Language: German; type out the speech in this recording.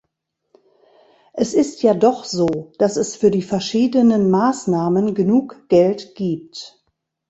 Es ist ja doch so, dass es für die verschiedenen Maßnahmen genug Geld gibt.